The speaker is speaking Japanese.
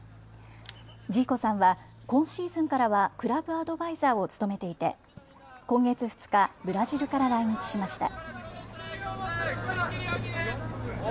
ジーコさんは今シーズンからはクラブアドバイザーを務めていて今月２日、ブラジルから来日しました。